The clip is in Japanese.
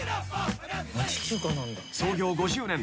［創業５０年。